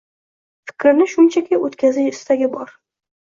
Fikrni shunchaki o’tkazish istagi bor.